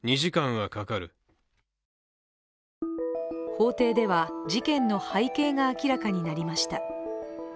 法廷では、事件の背景が明らかになりました。